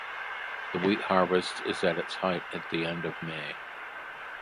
The wheat harvest is at its height at the end of May.